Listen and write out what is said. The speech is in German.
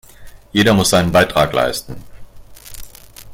Jeder muss seinen Beitrag leisten.